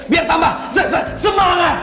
biar tambah se se semangat